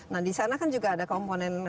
nah disana kan juga ada komponen